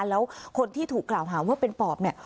แล้วคนที่ถูกกล่าวหาว่าเป็นปอบเนี่ย